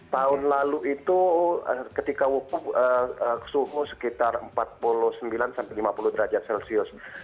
tahun lalu itu ketika suhu sekitar empat puluh sembilan sampai lima puluh derajat celcius